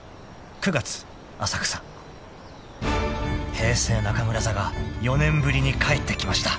［平成中村座が４年ぶりに帰ってきました］